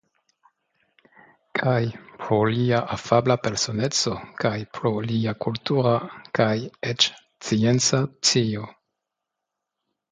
Kaj pro lia afabla personeco kaj pro lia kultura kaj eĉ scienca scio.